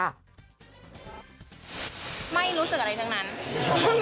ไม่รู้สึกอะไรทั้งนั้น